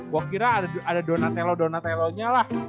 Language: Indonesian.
gua kira ada donatello donatellonya lah